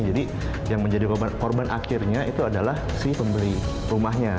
jadi yang menjadi korban akhirnya itu adalah si pembeli rumahnya